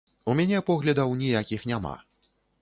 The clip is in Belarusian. У мяне поглядаў ніякіх няма.